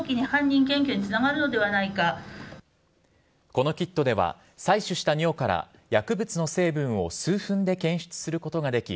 このキットでは採取した尿から薬物の成分を数分で検出することができ